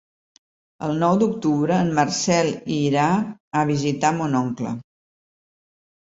El nou d'octubre en Marcel irà a visitar mon oncle.